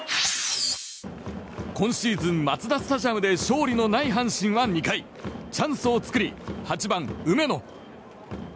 今シーズンマツダスタジアムで勝利のない阪神は２回チャンスを作り、８番、梅野。